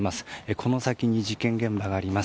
この先に事件現場があります。